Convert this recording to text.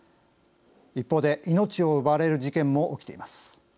一方で命を奪われる事件も起きています。